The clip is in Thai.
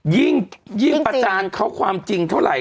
ยิ่งประจานเขาความจริงเท่าไหร่